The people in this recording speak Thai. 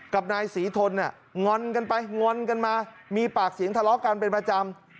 กับนายศรีทนเนี่ยงอนกันไปงอนกันมามีปากเสียงทะเลาะกันเป็นประจำ